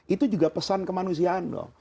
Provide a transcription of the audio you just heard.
itu juga pesan kemanusiaan dong